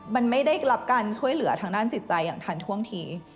มันไม่ได้รับการช่วยเหลือทางด้านจิตใจอย่างทันท่วงที